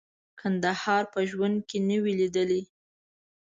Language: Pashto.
کندهار په ژوند کې نه وې لیدلي.